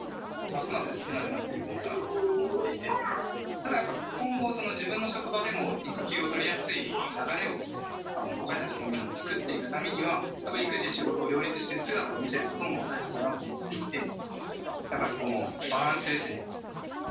ただやっぱ今後自分の職場でも育休を取りやすい流れを後輩たちのためにもつくっていくためにはやっぱり育児仕事を両立してる姿を見せることも大切だなと思っていてやっぱりこのバランスですね。